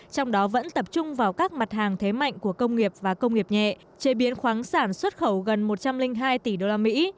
trong đó vẫn tập trung vào các mặt hàng thế mạnh của công nghiệp và công nghiệp nhẹ chế biến khoáng sản xuất khẩu gần một trăm linh hai tỷ đô la mỹ